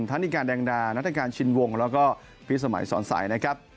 ธนิการแดงดานัฐกาลชินวงแล้วก็พิสมัยสอนใสนะครับ